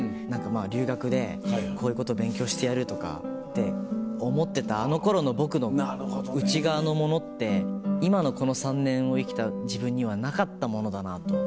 留学でこういうこと勉強してやるとかって思ってたあの頃の僕の内側のものって今のこの３年を生きた自分にはなかったものだなと。